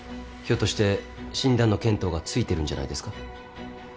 ひょっとして診断の見当がついてるんじゃないですか？